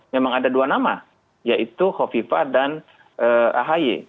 memang ada dua nama yaitu kofifah dan ahaye